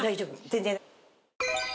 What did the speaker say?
全然。